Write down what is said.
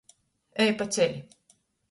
Ej paceli!